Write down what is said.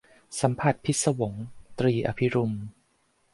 สัมผัสพิศวง - ตรี อภิรุม